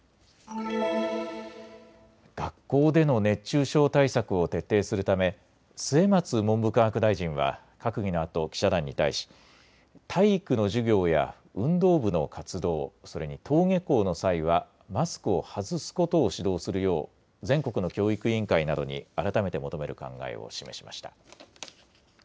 学校での熱中症対策を徹底するため末松文部科学大臣は閣議のあと記者団に対し、体育の授業や運動部の活動、それに登下校の際はマスクを外すことを指導するよう全国の教育委員会などに改めて求める考えを示しました。